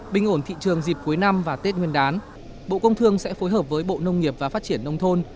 bình ổn thị trường dịp cuối năm và tết nguyên đán bộ công thương sẽ phối hợp với bộ nông nghiệp và phát triển nông thôn